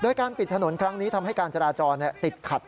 ใช้ถนนกับชาวบ้านด้วยนะครับ